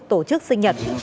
tổ chức sinh nhật